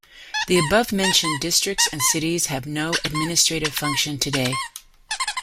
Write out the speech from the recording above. The abovementioned districts and cities have no administrative function today.